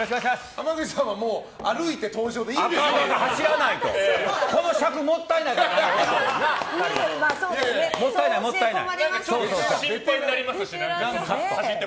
濱口さんはもう歩いて登場でいいんですって。